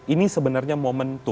ini sebenarnya momentum